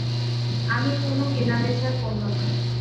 আমি কোন কেনাবেচার পণ্য নই।